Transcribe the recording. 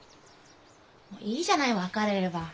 いいじゃない別れれば。